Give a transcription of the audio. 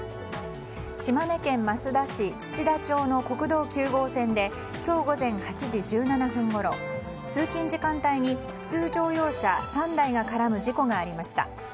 島根県益田市土田町の国道９号線で今日午前８時１７分ごろ通勤時間帯に普通乗用車３台が絡む事故がありました。